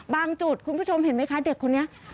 จุดคุณผู้ชมเห็นไหมคะเด็กคนนี้